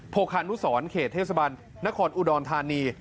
คานุสรเขตเทศบันนครอุดรธานี